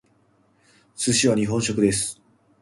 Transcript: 寿司は日本食です。